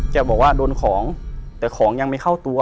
บอกว่าโดนของแต่ของยังไม่เข้าตัว